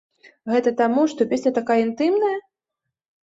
Гэта таму, што песня такая інтымная?